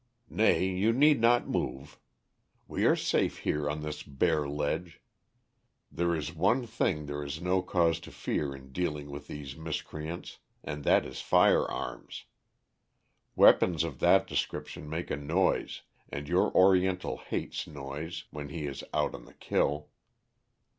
Nay, you need not move. We are safe here on this bare ledge. There is one thing there is no cause to fear in dealing with these miscreants, and that is firearms. Weapons of that description make a noise and your Oriental hates noise when he is out on the kill.